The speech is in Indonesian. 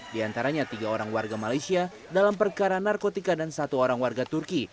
di antaranya tiga orang warga malaysia dalam perkara narkotika dan satu orang warga turki